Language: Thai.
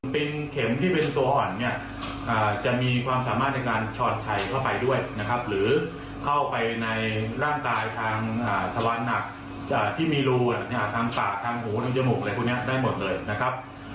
เป็นเข็มที่เป็นตัวอ่อนเนี่ยจะมีความสามารถในการชอดชัยเข้าไปด้วยนะครับหรือเข้าไปในร่างกายทางทะวันหนักที่มีรูทางปากทางหูทางจมูกอะไรพวกนี้ได้หมดเลยนะครับ